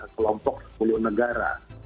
kelompok sepuluh negara